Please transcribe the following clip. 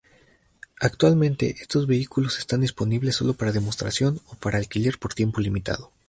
Actualmente estos vehículos están disponibles solo para demostración o para alquiler por tiempo limitado.